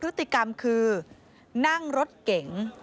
พฤติกรรมคือนั่งรถเก๋ง